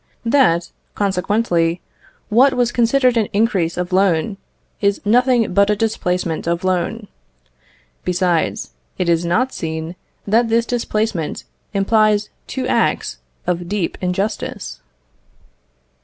That, consequently, what was considered an increase of loan, is nothing but a displacement of loan. Besides, it is not seen that this displacement implies two acts of deep injustice.